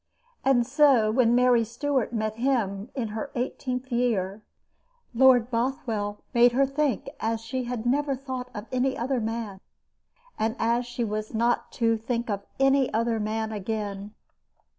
And so, when Mary Stuart first met him in her eighteenth year, Lord Bothwell made her think as she had never thought of any other man, and as she was not to think of any other man again.